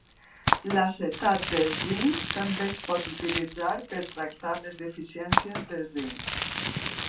L'acetat de zinc també es pot utilitzar per tractar les deficiències de zinc.